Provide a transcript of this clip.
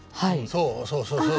そうそうそうそう。